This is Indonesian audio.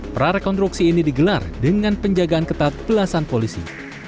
para rekonstruksi ini digelar dengan penjagaan ketat belasan polisi